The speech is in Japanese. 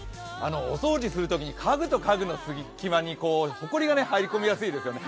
お掃除するときに家具と家具の隙間にほこりが入り込みやすいですよね。